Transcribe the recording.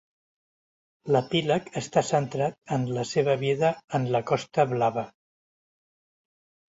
L'Epíleg està centrat en la seva vida en la Costa Blava.